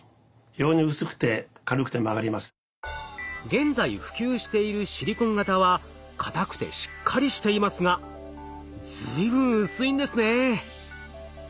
現在普及しているシリコン型は硬くてしっかりしていますが随分薄いんですね。